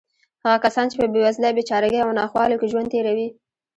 هغه کسان چې په بېوزلۍ، بېچارهګۍ او ناخوالو کې ژوند تېروي.